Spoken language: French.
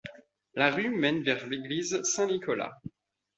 La rue mène vers l'Église Saint-Nicolas.